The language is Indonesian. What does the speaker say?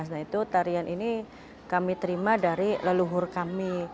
nah itu tarian ini kami terima dari leluhur kami